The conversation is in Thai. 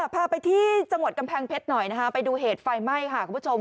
พาไปที่จังหวัดกำแพงเพชรหน่อยนะคะไปดูเหตุไฟไหม้ค่ะคุณผู้ชม